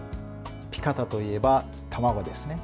ピカタといえば卵ですね。